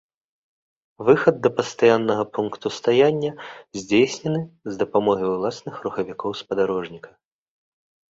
Выхад да пастаяннага пункту стаяння здзейснены з дапамогай уласных рухавікоў спадарожніка.